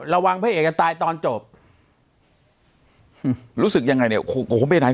ระวังพระเอกจะตายตอนจบหืมรู้สึกยังไงเนี่ยโขโขไปไหน